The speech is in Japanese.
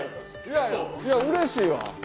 いやうれしいわ。